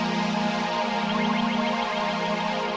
jangan lupa like subscribe dan share ya